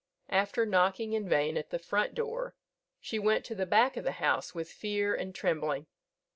After knocking in vain at the front door, she went to the back of the house with fear and trembling.